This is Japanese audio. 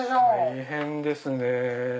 大変ですね。